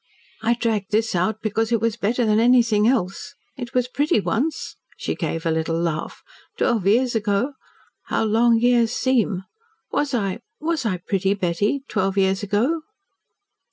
I dragged this out because it was better than anything else. It was pretty once " she gave a little laugh, "twelve years ago. How long years seem! Was I was I pretty, Betty twelve years ago?"